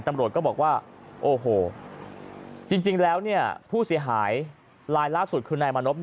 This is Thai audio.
ตำรวจก็บอกว่าโอ้โหจริงแล้วผู้เสียหายลายล่าสุดคือนายมานพ